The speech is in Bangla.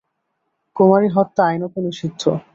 কুমারী হত্যা আইনত নিষিদ্ধ।